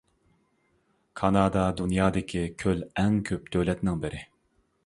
كانادا دۇنيادىكى كۆل ئەڭ كۆپ دۆلەتنىڭ بىرى.